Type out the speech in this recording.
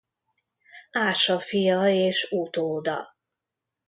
Ása fia és utóda.